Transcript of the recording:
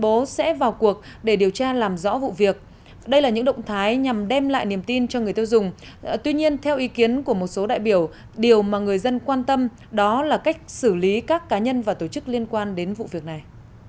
đây sẽ vào cuộc để điều tra làm rõ vụ việc đây là những động thái nhằm đem lại niềm tin cho người tiêu dùng tuy nhiên theo ý kiến của một số đại biểu điều mà người dân quan tâm đó là cách xử lý các cá nhân và tổ chức liên quan đến vụ việc này